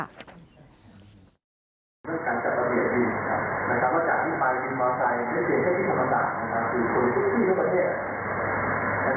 ก็เกิดมีคุณพิการที่ขับถึงประมาท